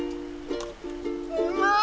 うまい！